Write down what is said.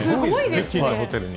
北京のホテルに。